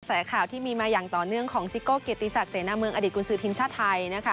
กระแสข่าวที่มีมาอย่างต่อเนื่องของซิโก้เกียรติศักดิเสนาเมืองอดีตกุศือทีมชาติไทยนะคะ